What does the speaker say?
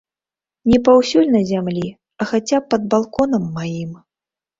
Не паўсюль на зямлі, а хаця б пад балконам маім.